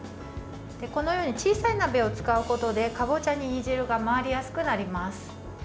このように小さい鍋を使うことでかぼちゃに煮汁が回りやすくなります。